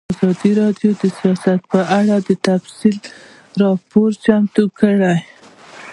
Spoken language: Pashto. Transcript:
ازادي راډیو د سیاست په اړه تفصیلي راپور چمتو کړی.